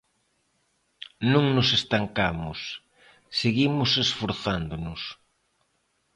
Non nos estancamos, seguimos esforzándonos.